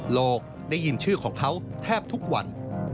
โลกได้ยินชื่อของเขาแทบทุกวัน